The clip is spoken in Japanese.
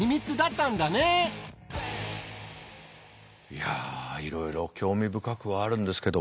いやいろいろ興味深くはあるんですけども。